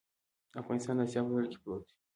افغانستان د اسیا په زړه کې پروت دی